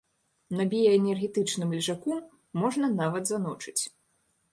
На біяэнергетычным лежаку можна нават заночыць.